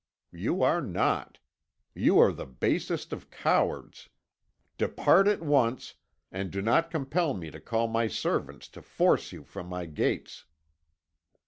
You are not; you are the basest of cowards. Depart at once, and do not compel me to call my servants to force you from my gates.'